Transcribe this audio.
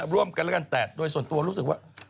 ร่วมกันแล้วกันแต่โดยส่วนตัวรู้สึกว่า